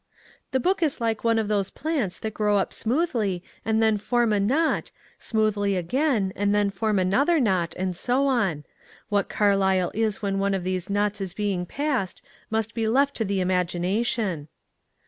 ^^ The book is like one of those plants that grow up smoothly and then form a knot, smoothly again and then form another knot, and so on: what Carlyle is when one of those knots is being passed must be left to the imagina tion."